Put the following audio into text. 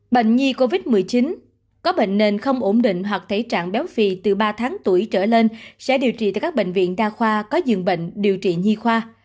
bệnh nhi covid một mươi chín có bệnh nền không ổn định hoặc thể trạng béo phì từ ba tháng tuổi trở lên sẽ điều trị tại các bệnh viện đa khoa có dường bệnh điều trị nhi khoa